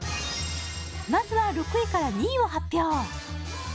まずは６位から２位を発表